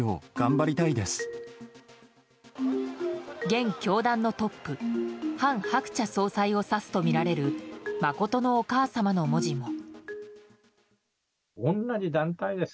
現教団のトップ韓鶴子総裁を指すとみられる真のお母様の文字も。